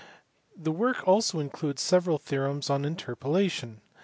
The work also includes several theorems on interpolation.